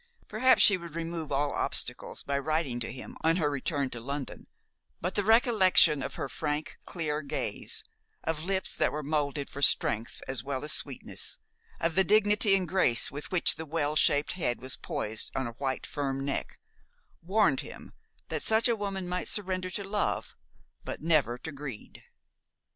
Perhaps she would remove all obstacles by writing to him on her return to London; but the recollection of her frank, clear gaze, of lips that were molded for strength as well as sweetness, of the dignity and grace with which the well shaped head was poised on a white firm neck, warned him that such a woman might surrender to love, but never to greed.